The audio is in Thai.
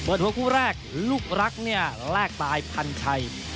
หัวคู่แรกลูกรักเนี่ยแลกตายพันชัย